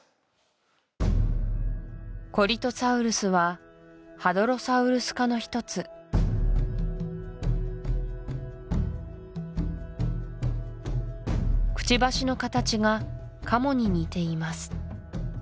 コリトサウルスはハドロサウルス科のひとつクチバシの形がカモに似ています